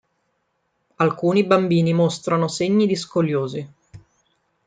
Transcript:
Alcuni bambini mostrano segni di scoliosi.